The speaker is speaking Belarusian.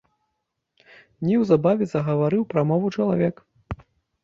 Неўзабаве загаварыў прамову чалавек.